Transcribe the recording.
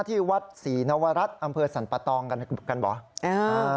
ที่วัดศรีนวรัฐอำเภอสรรปะตองกันเหรอ